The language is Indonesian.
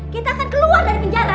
kita akan keluar dari penjara